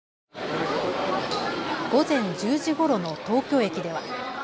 午前１０時ごろの東京駅では。